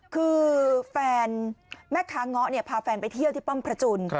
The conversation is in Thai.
คือแฟนแม่ค้าเงาะพาแฟนไปเที่ยวที่ป้อมพระจุล